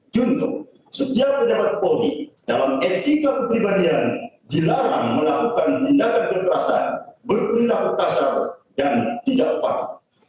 juntuh setiap pejabat polri dalam etika kepribadian dilarang melakukan tindakan kekerasan berperilaku kasar dan tidak paham